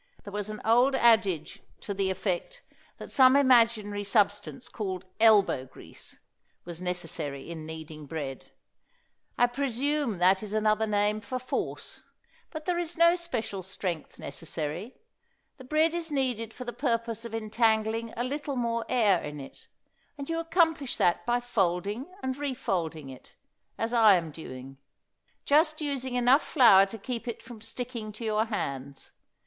There was an old adage to the effect that some imaginary substance called "elbow grease" was necessary in kneading bread. I presume that is another name for force. But there is no special strength necessary. The bread is kneaded for the purpose of entangling a little more air in it, and you accomplish that by folding and refolding it, as I am doing; just using enough flour to keep it from sticking to your hands.